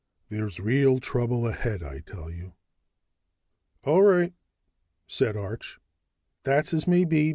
There's real trouble ahead, I tell you." "All right," said Arch. "That's as may be.